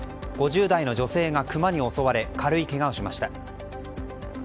５０代の女性がクマに襲われ軽いけがをしました。